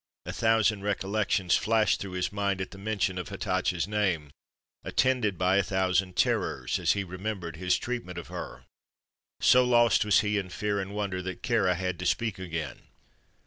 A thousand recollections flashed through his mind at the mention of Hatatcha's name, attended by a thousand terrors as he remembered his treatment of her. So lost was he in fear and wonder that Kāra had to speak again.